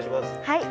はい。